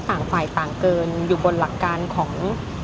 ต่างฝ่ายต่างเกินอยู่บนหลักการของ